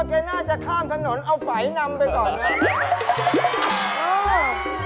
แกน่าจะข้ามถนนเอาไฝนำไปก่อนนะ